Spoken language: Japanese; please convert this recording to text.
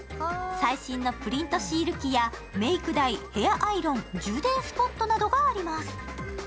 最新のプリントシール機やメーク台、ヘアアイロン、充電スポットなどがあります。